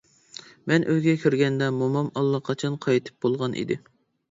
مەن ئۆيگە كىرگەندە مومام ئاللىقاچان قايتىپ بولغان ئىدى.